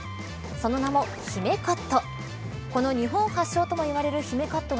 その名も姫カット。